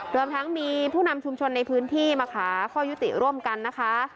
รวมทั้งมีผู้นำชุมชนในพื้นที่มาหาข้อยุติร่วมกันนะคะ